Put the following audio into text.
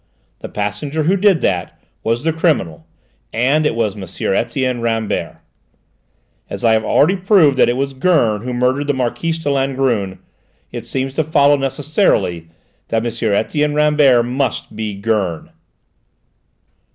The passenger who did that, was the criminal, and it was M. Etienne Rambert. "As I have already proved that it was Gurn who murdered the Marquise de Langrune, it seems to follow necessarily that M. Etienne Rambert must be Gurn!"